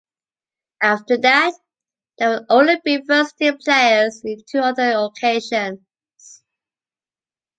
After that, they would only be first team players in two other occasions.